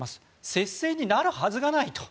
接戦になるはずがないと。